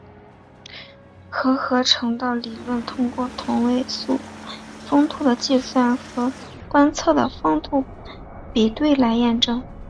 核合成的理论通过同位素丰度的计算和观测的丰度比对来验证。